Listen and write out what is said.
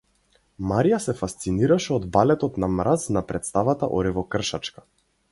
Марија се фасцинираше од балетот на мраз на претставата Оревокршачка.